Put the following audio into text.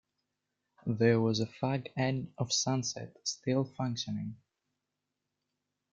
There was a fag-end of sunset still functioning.